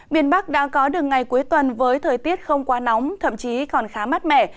miền bắc đã có được ngày cuối tuần với thời tiết không quá nóng thậm chí còn khá mát mẻ